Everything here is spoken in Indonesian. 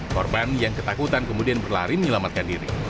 korban yang ketakutan kemudian berlari menyelamatkan diri